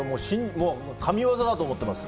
神業だと思ってます。